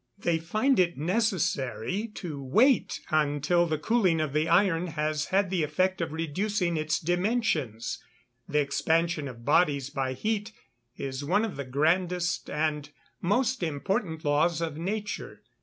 They find it necessary to wait until the cooling of the iron has had the effect of reducing its dimensions. The expansion of bodies by heat is one of the grandest and most important laws of nature.